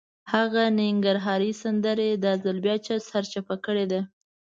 هغه ننګرهارۍ سندره یې دا ځل بیا سرچپه کړې ده.